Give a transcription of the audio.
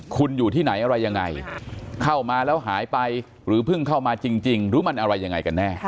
คุณอยู่ที่ไหนอะไรยังไงเข้ามาแล้วหายไปหรือเพิ่งเข้ามาจริงหรือมันอะไรยังไงกันแน่